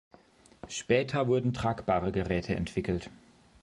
Später wurden tragbare Geräte entwickelt.